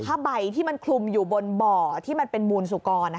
ผ้าใบที่มันคลุมอยู่บนบ่อที่มันเป็นมูลสุกร